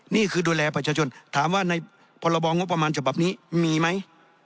นี่คือดูแลประชาชนถามว่าในพรบงบประมาณฉบับนี้มีไหม